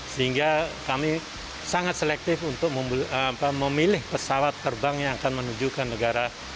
sehingga kami sangat selektif untuk memilih pesawat terbang yang akan menuju ke negara